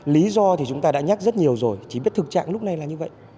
lý do thì chúng ta đã nhắc rất nhiều rồi chỉ biết thực trạng lúc này là như vậy